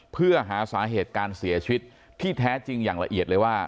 เพื่อหาสาเหตุการเสียชีวิตที่แท้จริงอย่างละเอียดเลยว่า